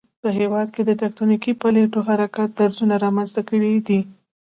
په هېواد کې تکتونیکی پلیټو حرکت درزونه رامنځته کړي دي